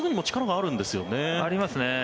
ありますね。